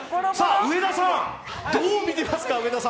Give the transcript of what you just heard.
上田さん、どう見てますか？